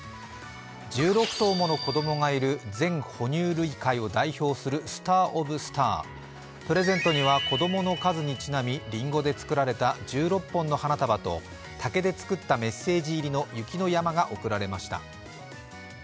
１６頭もの子供がいる全哺乳類界を代表するスター・オブ・スタープレゼントには子供の数にちなみりんごで作られた１６本の花束と竹で作ったメッセージ入りの雪の山が贈られました。